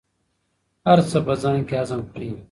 هر څه په ځان کې هضم کړئ.